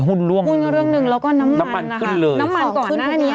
ล่วงหุ้นก็เรื่องหนึ่งแล้วก็น้ำมันน้ำมันขึ้นเลยน้ำมันก่อนขึ้นแค่เนี้ย